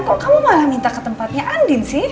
kok kamu malah minta ke tempatnya andin sih